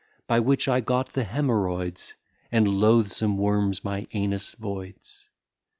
By which I got the hemorrhoids; And loathsome worms my anus voids.